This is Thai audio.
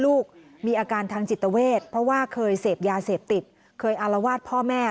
ลูกมีอาการทางจิตเวทเพราะว่าเคยเสพยาเสพติดเคยอารวาสพ่อแม่